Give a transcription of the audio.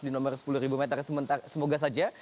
di nomor sepuluh ribu meter semoga saja